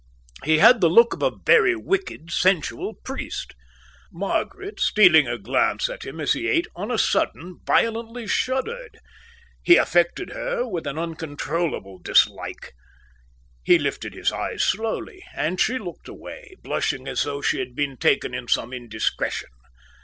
He had the look of a very wicked, sensual priest. Margaret, stealing a glance at him as he ate, on a sudden violently shuddered; he affected her with an uncontrollable dislike. He lifted his eyes slowly, and she looked away, blushing as though she had been taken in some indiscretion.